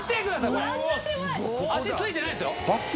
これ足ついてないんですよ